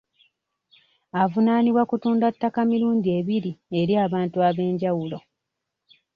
Avunaanibwa kutunda ttaka mirundi ebiri eri abantu ab'enjawulo.